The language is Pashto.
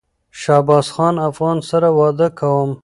شهبازخان افغان سره واده کوم